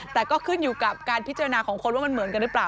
แต่ก็ขึ้นอยู่กับการพิจารณาของคนว่ามันเหมือนกันหรือเปล่า